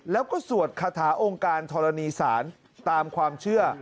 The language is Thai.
แล้วก็สวดคาถาองค์การธรณีศาลตามความเชื่อ